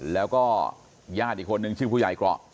แล้วก็ญาติอีกคนนึงชื่อผู้ใหญ่เกราะ